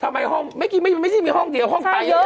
ทำไมห้องเมื่อกี้ไม่ใช่มีห้องเดียวห้องตายอยู่นี่